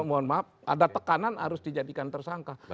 mohon maaf ada tekanan harus dijadikan tersangka